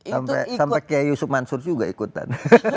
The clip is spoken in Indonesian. sampai kiai yusuf mansur juga ikutan